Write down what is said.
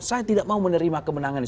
saya tidak mau menerima kemenangan